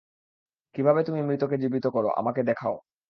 কিভাবে তুমি মৃতকে জীবিত কর আমাকে দেখাও।